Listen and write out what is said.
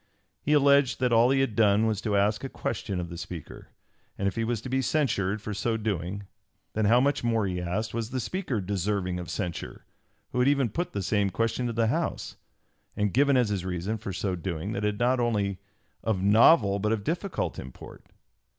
He alleged that all he had done was to ask a question of the Speaker, and if he was to be censured for so doing, then how much more, he asked, was the Speaker deserving of censure who had even put the same question to the House, and given as his reason for so doing that it was not only of novel but of difficult import!